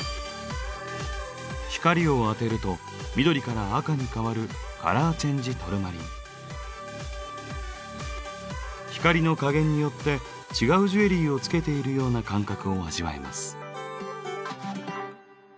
光を当てると緑から赤に変わる光の加減によって違うジュエリーをつけているような感覚を味わえます。